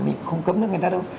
mình không cấm được người ta đâu